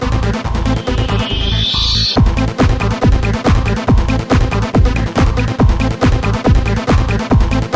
สวัสดีครับ